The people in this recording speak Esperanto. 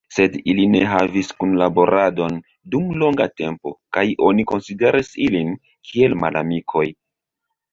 Sed ili ne havis kunlaboradon dum longa tempo kaj oni konsideris ilin kiel malamikoj.